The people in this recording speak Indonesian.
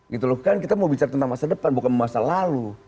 gitu loh kan kita mau bicara tentang masa depan bukan masa lalu